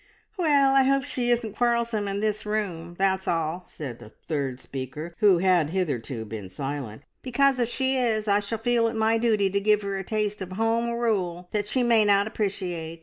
"Well, I hope she isn't quarrelsome in this room, that's all!" said a third speaker, who had hitherto been silent, "because if she is, I shall feel it my duty to give her a taste of Home Rule that she may not appreciate.